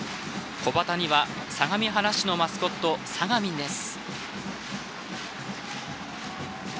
小旗には相模原市のマスコットさがみんです。